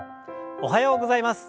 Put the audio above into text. おはようございます。